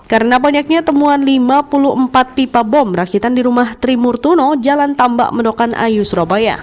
karena banyaknya temuan lima puluh empat pipa bom rakitan di rumah trimurtuno jalan tambak medokan ayu surabaya